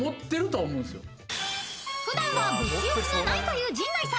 ［普段は物欲がないという陣内さん］